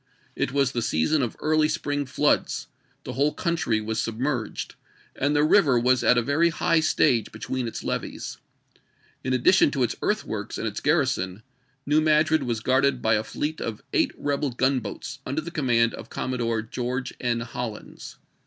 It was the season of the early spring floods; the whole country was sub merged, and the river was at a very high stage between its levees. In addition to its earthworks and its garrison. New Madrid was guarded by a fleet of eight rebel gunboats under command of Commodore Oeorge N. HoUins.